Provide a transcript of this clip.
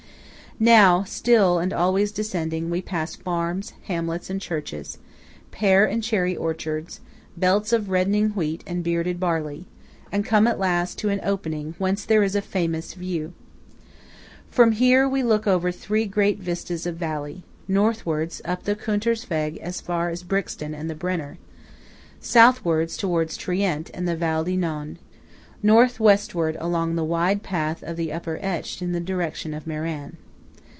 Now, still and always descending, we pass farms, hamlets and churches; pear and cherry orchards; belts of reddening wheat and bearded barley; and come at last to an opening whence there is a famous view. From here we look over three great vistas of valley–Northward up the Kunters Weg as far as Brixen and the Brenner; Southward towards Trient and the Val di Non; North Westward along the wide path of the upper Etsch in the direction of Meran.